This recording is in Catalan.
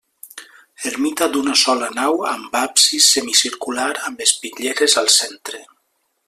Ermita d'una sola nau amb absis semicircular amb espitlleres al centre.